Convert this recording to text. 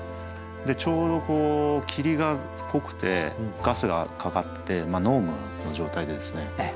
ちょうど霧が濃くてガスがかかって濃霧の状態でですね